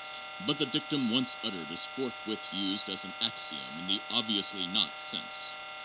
But the dictum once uttered is forthwith used as an axiom in the 'obviously not' sense.